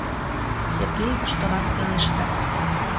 — Сергей воштылал пелешта.